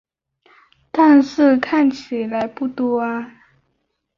但是看起来不多呀